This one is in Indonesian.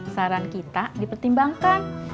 saran kita dipertimbangkan